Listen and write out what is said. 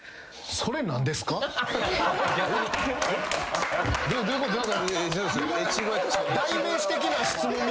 それ何ですか？